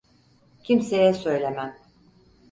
Kimseye söylemem.